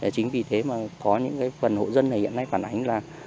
chính vì thế mà có những cái phần hộ dân này hiện nay phản ánh là